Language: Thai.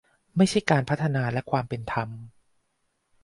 ไม่ใช่การพัฒนาและความเป็นธรรม